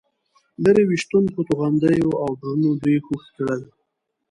لرې ویشتونکو توغندیو او ډرونونو دوی هېښ کړل.